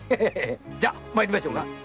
じゃ参りましょうか。